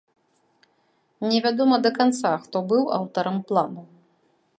Невядома да канца, хто быў аўтарам плану.